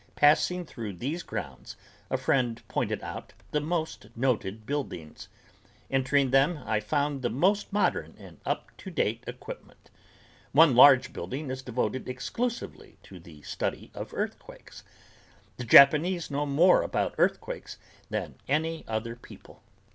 Passing through these grounds a friend pointed out the most noted buildings. Entering them I found the most modern and up to date equipment. One large building is devoted exclusively to the study of earthquakes. The Japanese know more about earthquakes than any other people.